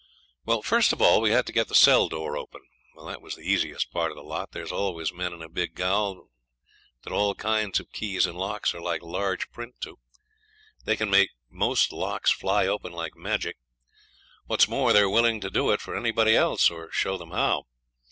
Well, first of all, we had to get the cell door open. That was the easiest part of the lot. There's always men in a big gaol that all kinds of keys and locks are like large print to. They can make most locks fly open like magic; what's more, they're willing to do it for anybody else, or show them how.